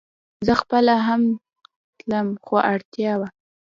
زه خپله هم تلم خو اړتيا وه